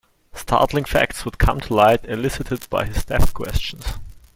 Startling facts would come to light elicited by his deft questions.